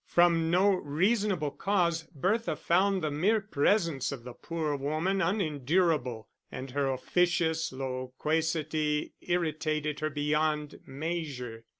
From no reasonable cause, Bertha found the mere presence of the poor woman unendurable, and her officious loquacity irritated her beyond measure.